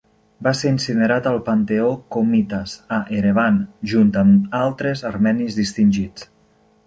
Va ser incinerat al Panteó Komitas, a Erevan, junt amb altres armenis distingits.